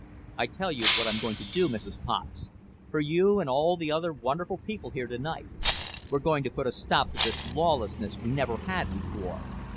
"I'll tell you what I'm going to do, Mrs. Potts, for you and all the other wonderful people here tonight. We're going to put a stop to this lawlessness we never had before.